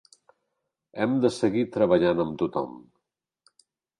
Hem de seguir treballant amb tothom.